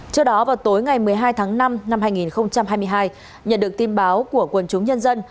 trước đó vào tối ngày một mươi hai tháng năm năm hai nghìn hai mươi hai nhận được tin báo của quần chúng nhân dân